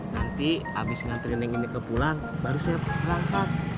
nanti abis ngantriin yang ingin ke pulang baru siap berangkat